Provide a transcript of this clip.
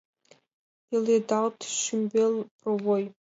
ПЕЛЕДАЛТ, ШӰМБЕЛ ПРОВОЙ